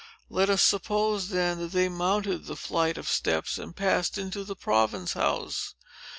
Let us suppose, then, that they mounted the flight of steps, and passed into the Province House.